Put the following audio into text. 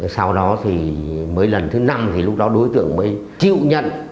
sau đó thì mới lần thứ năm thì lúc đó đối tượng mới chịu nhận